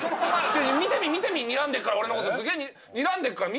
見てみ見てみにらんでっから俺のことにらんでっから見てみ。